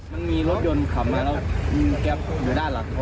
มันมีรถยนต์ขับมาแล้วมีแก๊ปอยู่ด้านหลัง